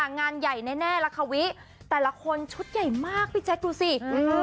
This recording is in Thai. งานใหญ่แน่ละค่ะวิแต่ละคนชุดใหญ่มากพี่แจ๊คดูสิ